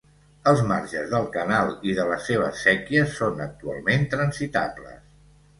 Els marges del canal i de les seves séquies són actualment transitables.